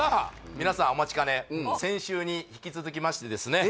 皆さんお待ちかね先週に引き続きましてですね